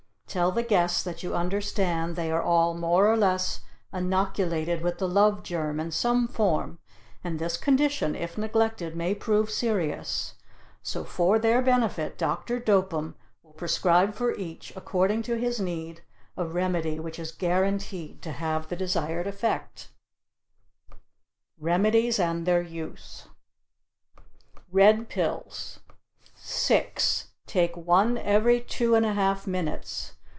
Tell the guests that you understand they are all more or less inoculated with the Love germ in some form and this condition, if neglected, may prove serious so for their benefit, Dr. Dopem will prescribe for each, according to his need, a remedy which is guaranteed to have the desired effect. REMEDIES AND THEIR USE. Red pills six, take one every two and a half minutes.